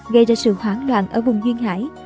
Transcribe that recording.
gây ra sự hoảng loạn ở vùng nguyên hải